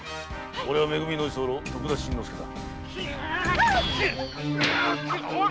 俺はめ組の居候徳田新之助だ。